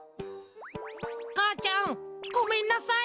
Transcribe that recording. かあちゃんごめんなさい！